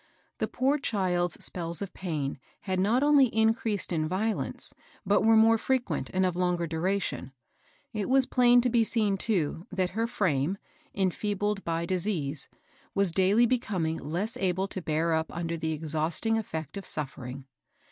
The poor child's spells of pain had not only in creased in violence, but were more frequent and of longer duration. It was plain to be seen, too, that her frame, enfeebled by di^ea&^^ 'w^a ftaSc^^^fe 220 MABEL ROSS. coming less able to bear up under the exhausting effect of suffering.